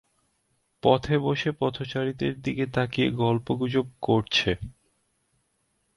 পথে বসে পথচারীদের দিকে তাকিয়ে গল্প গুজব করছে।